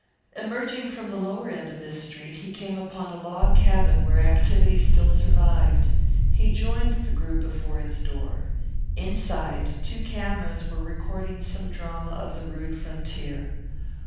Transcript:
Emerging from the lower end of this street he came upon a log cabin where activity still survived. He joined the group before its door. Inside two cameras were recording some drama of the rude frontier.